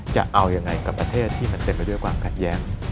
จะเอายังไงกับประเทศที่มันเต็มไปด้วยความขัดแย้ง